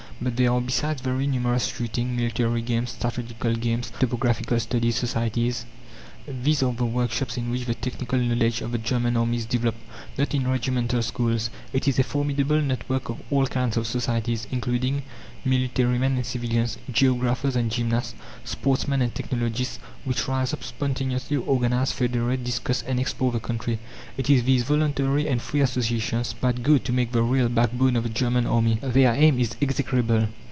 But there are besides very numerous Shooting, Military Games, Strategical Games, Topographical Studies Societies these are the workshops in which the technical knowledge of the German army is developed, not in regimental schools. It is a formidable network of all kinds of societies, including military men and civilians, geographers and gymnasts, sportsmen and technologists, which rise up spontaneously, organize, federate, discuss, and explore the country. It is these voluntary and free associations that go to make the real backbone of the German army. Their aim is execrable.